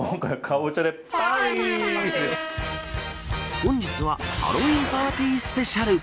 本日はハロウィーンパーティースペシャル。